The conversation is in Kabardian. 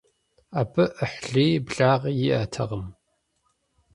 Абы Ӏыхьлыи благъи иӀэтэкъым.